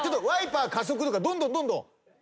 「ワイパー加速」とかどんどんどんどん。